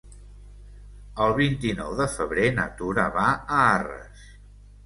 El vint-i-nou de febrer na Tura va a Arres.